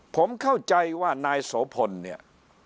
ผมเข้าใจว่านายโสพลเนี่ย